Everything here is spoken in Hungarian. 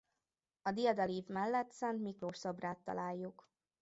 A diadalív mellett Szent Miklós szobrát találjuk.